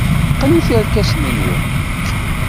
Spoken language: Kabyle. Qqnet irkasen-nwen.